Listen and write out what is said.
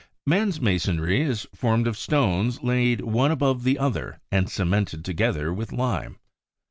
Man's masonry is formed of stones laid one above the other and cemented together with lime.